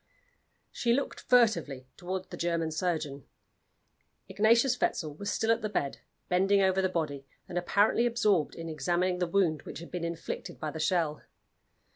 She looked furtively toward the German surgeon. Ignatius Wetzel was still at the bed, bending over the body, and apparently absorbed in examining the wound which had been inflicted by the shell.